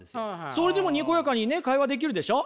それでもにこやかにね会話できるでしょ？